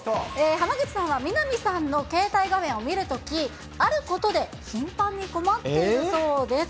濱口さんは南さんの携帯画面を見るとき、あることで頻繁に困っているそうです。